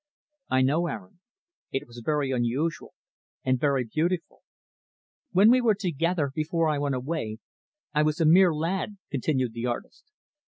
"I know, Aaron. It was very unusual and very beautiful." "When we were together, before I went away, I was a mere lad," continued the artist.